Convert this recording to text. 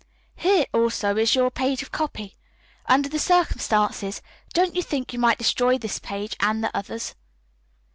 Here also is your page of copy. Under the circumstances, don't you think you might destroy this page and the others?"